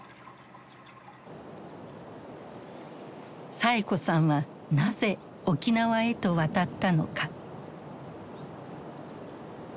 サエ子さんはなぜ沖縄へと渡ったのか。